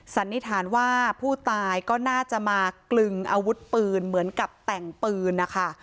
สันนิษฐานว่าผู้ตายก็น่าจะมากลึงอาวุธปืนเหมือนกับแต่งปืนนะคะ